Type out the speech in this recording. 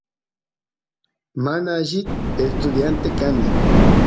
mana alli estudiante kani